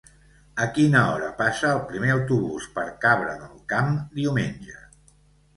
A quina hora passa el primer autobús per Cabra del Camp diumenge?